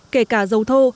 kể cả dầu thô